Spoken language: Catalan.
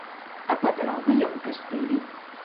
A Pedralba hi ha un castell?